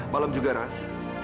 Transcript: malam juga raz